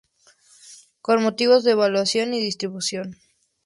Con motivos de evaluación y distribución.